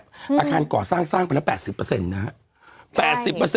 อาคารก่อสร้างสร้างไปละ๘๐นะฮะ